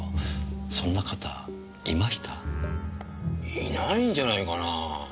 いないんじゃないかなぁ。